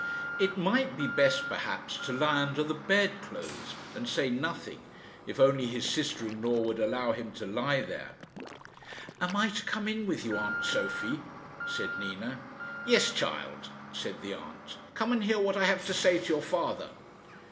It might be best, perhaps, to lie under the bed clothes and say nothing, if only his sister in law would allow him to lie there. "Am I to come in with you, aunt Sophie?" said Nina. "Yes child," said the aunt; "come and hear what I have to say to your father."